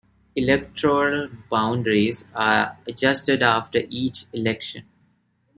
Electoral boundaries are adjusted after each election.